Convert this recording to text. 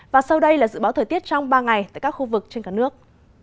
và sau đây là dự báo thời tiết trong ba ngày tại các khu vực trên cả nước